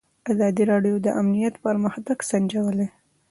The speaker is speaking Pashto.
ازادي راډیو د امنیت پرمختګ سنجولی.